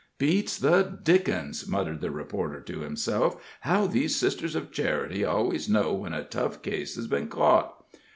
"Beats the dickens," muttered the reporter to himself, "how these Sisters of Charity always know when a tough case has been caught.